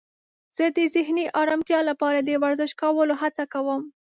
زه د ذهني آرامتیا لپاره د ورزش کولو هڅه کوم.